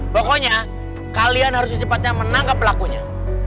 pokoknya kalian harus secepatnya menangkap pelakunya